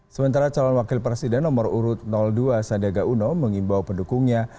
sementara calon wakil presiden nomor urut dua sandiaga uno mengimbau pendukungnya